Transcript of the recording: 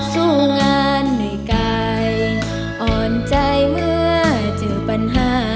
สู้งานเหนื่อยกายอ่อนใจเมื่อเจอปัญหา